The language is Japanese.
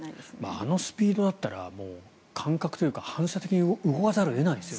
あのスピードだったら感覚というか反射的に動かざるを得ないですよね。